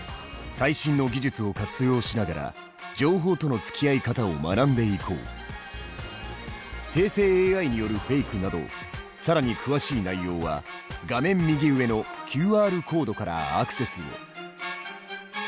最新の技術を活用しながら生成ＡＩによるフェイクなど更に詳しい内容は画面右上のＱＲコードからアクセスを。